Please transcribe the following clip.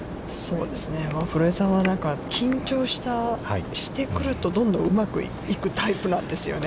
古江さんは緊張してくると、どんどんうまくいくタイプなんですよね。